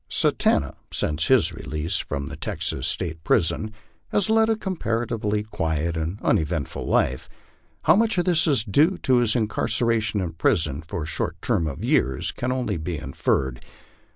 Satanta, since his release from the Texas State prison, has led a com paratively quiet and uneventful life. How much of this is due to his incar ceration in prison for a short term of years can only be inferred.